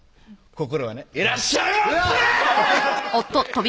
心はねいらっしゃいませ！